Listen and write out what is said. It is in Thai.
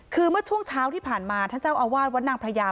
คือเมื่อช่วงเช้าที่ผ่านมาท่านเจ้าอาวาสวัดนางพระยา